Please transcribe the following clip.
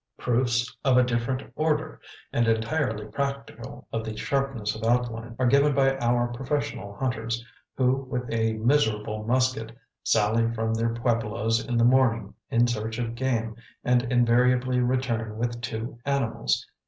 Proofs of a different order, and entirely practical, of the sharpness of outline, are given by our professional hunters, who with a miserable musket, sally from their pueblos in the morning in search of game and invariably return with two animals.